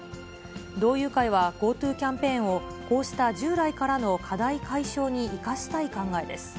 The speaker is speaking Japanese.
同友会はＧｏＴｏキャンペーンを、こうした従来からの課題解消に生かしたい考えです。